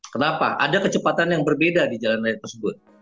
kenapa ada kecepatan yang berbeda di jalan raya tersebut